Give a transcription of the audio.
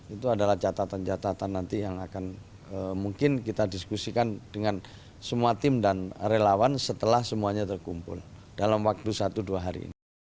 itu adalah catatan catatan nanti yang akan mungkin kita diskusikan dengan semua tim dan relawan setelah semuanya terkumpul dalam waktu satu dua hari ini